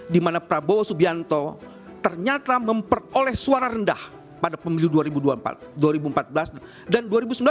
dimana prabowo subianto ternyata memperoleh suara rendah pada pemilu dua ribu empat belas dan dua ribu sembilan belas